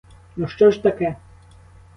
Ну що ж таке?